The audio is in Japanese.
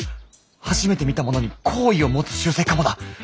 初めて見たものに好意を持つ習性かもだ。